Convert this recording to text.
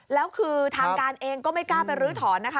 แล้วคือทางการเองก็ไม่กล้าไปรื้อถอนนะคะ